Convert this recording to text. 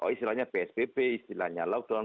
istilahnya psbb istilahnya lockdown